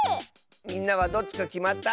みんなはどっちかきまった？